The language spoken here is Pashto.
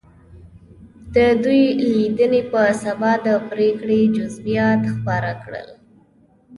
د دې لیدنې په سبا د پرېکړې جزییات خپاره کړل.